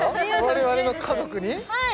我々の家族に？